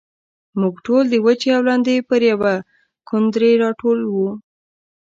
موږ ټول د وچې او لندې پر يوه کوندرې راټول وو.